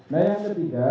nah yang ketiga